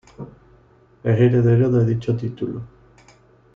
Es heredero de dicho título.